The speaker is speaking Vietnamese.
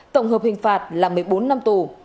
tổng hợp hình phạt là một mươi bốn năm tù